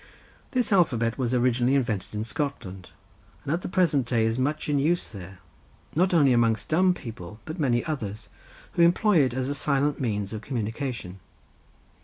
The alphabet was originally invented in Scotland, and at the present day is much in use there, not only amongst dumb people, but many others, who employ it as a silent means of communication.